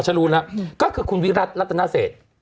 อ๋อฉันรู้นะก็คือคุณวิรัติรัตนาเศษ